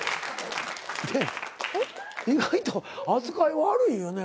意外と扱い悪いよね。